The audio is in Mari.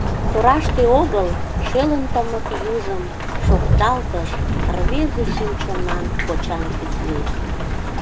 Тораште огыл, шелын тымык южым, Шокталтыш рвезе шӱм-чонан кочан кӱсле.